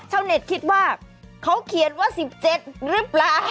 ชาวเน็ตคิดว่าเขาเขียนว่า๑๗หรือเปล่า